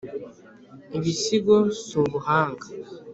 ibisigo si ubuhanga